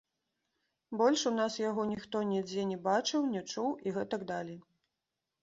Больш у нас яго ніхто нідзе не бачыў, не чуў і гэтак далей.